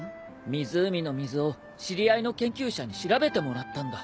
湖の水を知り合いの研究者に調べてもらったんだ。